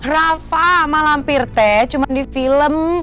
rafa sama lampir teh cuma di film